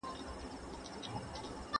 ¬ چي ډول دي وي په څنگ، د وهلو ئې څه ننگ.